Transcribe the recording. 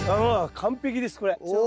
完璧ですこれ。